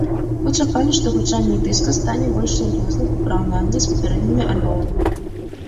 Мы чакалі, што гучанне дыска стане больш сур'ёзным, у параўнанні з папярэднімі альбомамі.